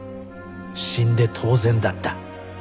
死んで当然だった